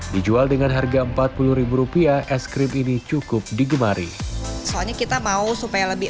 dijual dengan harga empat puluh rupiah es krim ini cukup digemari soalnya kita mau supaya lebih